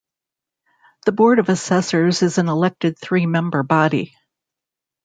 The Board of Assessors is an elected three member body.